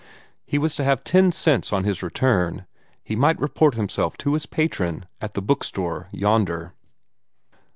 He was to have ten cents on his return; and he might report himself to his patron at the bookstore yonder.